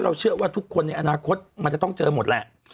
เชื่อว่าทุกคนในอนาคตมันจะต้องเจอหมดแหละ